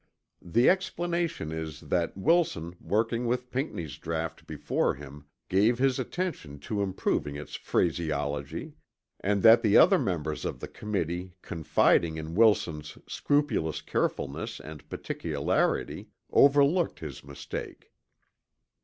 The explanation is that Wilson working with Pinckney's draught before him gave his attention to improving its phraseology; and that the other members of the Committee confiding in Wilson's scrupulous carefulness and particularity overlooked his mistake.